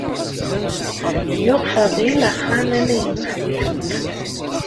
Yuɣ Faḍil axxam amaynut di tmurt.